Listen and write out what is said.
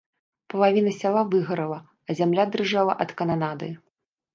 Палавіна сяла выгарала, а зямля дрыжэла ад кананады.